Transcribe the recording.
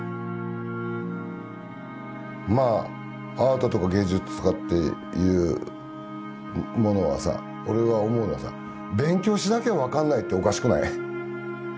まあアートとか芸術とかっていうものはさ俺が思うのはさ勉強しなきゃ分かんないっておかしくない？